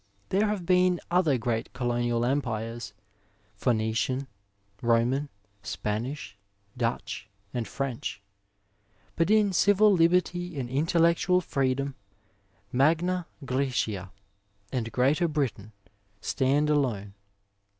There have been other great colonial empires, Phoenician, Roman, Spanish, Dutch and Trench, but in civil liberty and intellectual freedom Magna GrsBcia and Greater Britain stand alone.